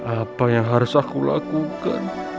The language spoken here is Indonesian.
apa yang harus aku lakukan